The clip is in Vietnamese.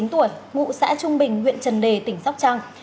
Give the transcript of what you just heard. người dân vũ hai mươi chín tuổi ngụ xã trung bình huyện trần đề tỉnh sóc trăng